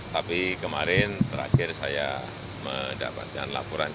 tapi kemarin terakhir saya mendapatkan laporan